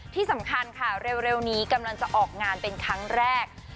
ที่สำคัญค่ะเร็วนี้กำลังจะออกงานเป็นครั้งแรก